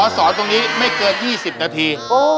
สอนตรงนี้ไม่เกิน๒๐นาที